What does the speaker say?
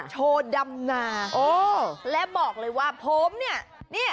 โชว์ดำนาโอ้และบอกเลยว่าผมเนี่ย